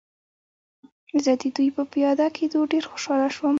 زه د دوی په پیاده کېدو ډېر خوشحاله شوم.